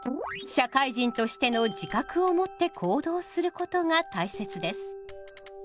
社会人としての自覚をもって行動することが大切です。